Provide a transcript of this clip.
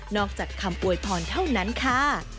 อกจากคำอวยพรเท่านั้นค่ะ